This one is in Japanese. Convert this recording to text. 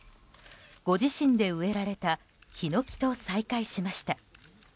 ご自身で植えられたヒノキと再会しました。